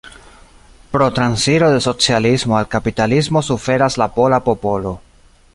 Pro transiro de socialismo al kapitalismo suferas la pola popolo.